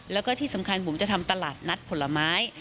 แล้วก็ที่สำคัญบุ๋มจะทำตลาดนัดผลไม้